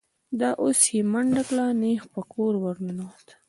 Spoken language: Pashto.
دا اوس یې منډه کړه، نېغ په کور ور ننوت.